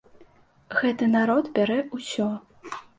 Гэты народ бярэ ўсё.